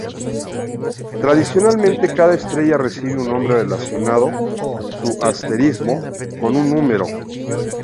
Tradicionalmente, cada estrella recibe un nombre relacionando su asterismo con un número.